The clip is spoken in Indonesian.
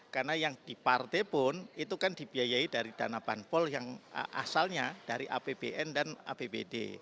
karena yang di partai pun itu kan dibiayai dari dana banpol yang asalnya dari apbn dan apbd